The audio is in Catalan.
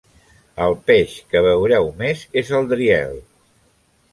El peix que veureu més és el "Driel".